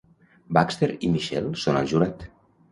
Baxxter i Michelle són al jurat.